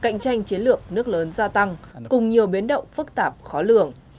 những chiến lược nước lớn gia tăng cùng nhiều biến động phức tạp khó lường